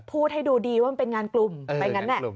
พูดให้ดูดีว่ามันเป็นงานกลุ่มไปงั้น